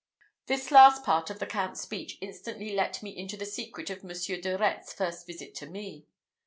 This last part of the Count's speech instantly let me into the secret of Monsieur de Retz's first visit to me.